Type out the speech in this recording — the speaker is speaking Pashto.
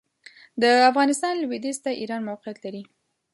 د افغانستان لوېدیځ ته ایران موقعیت لري.